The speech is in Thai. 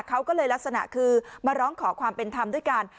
เขาก็เลยลักษณะคือมาร้องขอความเป็นธรรมด้วยกัน